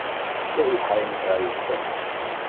Que il ha intra isto?